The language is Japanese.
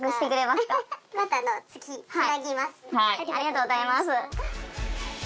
ありがとうございます。